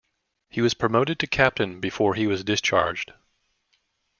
He was promoted to Captain before he was discharged.